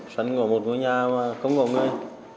sân ngồi một ngôi nhà mà không có người